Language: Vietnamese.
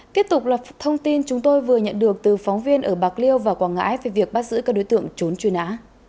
tiếp tục là thông tin chúng tôi vừa nhận được từ phóng viên ở bạc liêu và quảng ngãi về việc bắt giữ các đối tượng trốn truy nã